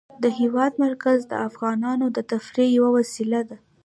د هېواد مرکز د افغانانو د تفریح یوه وسیله ده.